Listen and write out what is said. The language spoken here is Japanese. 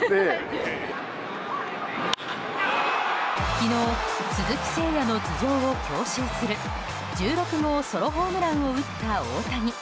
昨日、鈴木誠也の頭上を強襲する１６号ソロホームランを打った大谷。